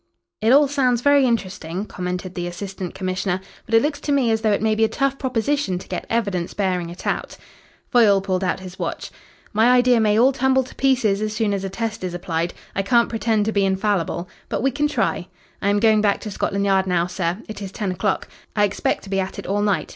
"It all sounds very interesting," commented the Assistant Commissioner, "but it looks to me as though it may be a tough proposition to get evidence bearing it out." Foyle pulled out his watch. "My idea may all tumble to pieces as soon as a test is applied. I can't pretend to be infallible. But we can try. I am going back to Scotland Yard now, sir. It is ten o'clock. I expect to be at it all night.